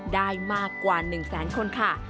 ได้มากกว่า๑๐๐๐๐๐คนค่ะ